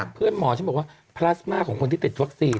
เพื่อนหมอฉันบอกว่าพลาสมาของคนที่ติดวัคซีน